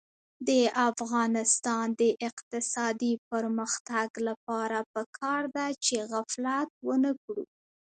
د افغانستان د اقتصادي پرمختګ لپاره پکار ده چې غفلت ونکړو.